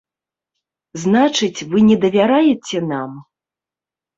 Значыць, вы не давяраеце нам?